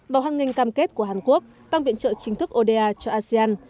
vào hàng nghìn cam kết của hàn quốc tăng viện trợ chính thức oda cho asean